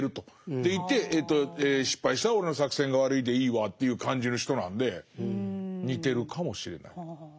でいて失敗したら俺の作戦が悪いでいいわという感じの人なんで似てるかもしれない。